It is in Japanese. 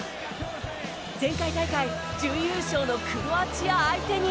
前回大会、準優勝のクロアチア相手に。